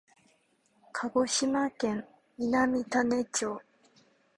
鹿児島県南種子町